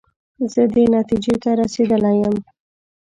زه دې نتیجې ته رسېدلی یم.